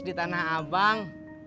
di tanah abang